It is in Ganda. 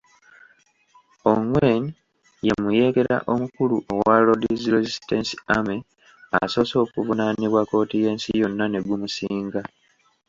Ongwen ye muyeekera omukulu owa Lord's Resistance Army asoose okuvunaanibwa kkooti y'ensi yonna ne gumusinga.